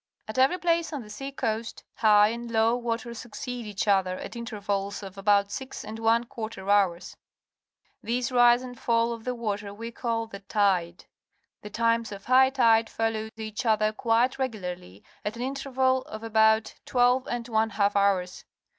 At every place on the sea coast, high and low water succeed each other at intervals of about six and one quarter hours. This rise and fall of the water we call the^tide. The times of high tide follow each other cjuite regularly at an interval of about twelve and one half hours.